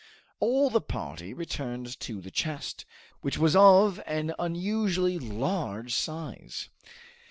All the party returned to the chest, which was of an unusually large size.